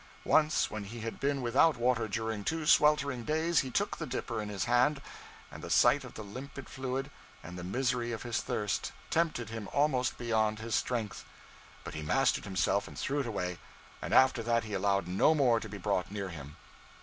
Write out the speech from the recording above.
Once, when he had been without water during two sweltering days, he took the dipper in his hand, and the sight of the limpid fluid, and the misery of his thirst, tempted him almost beyond his strength; but he mastered himself and threw it away, and after that he allowed no more to be brought near him.